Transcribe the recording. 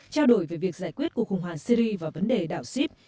trao đổi về việc giải quyết cuộc khủng hoảng syri và vấn đề đảo sip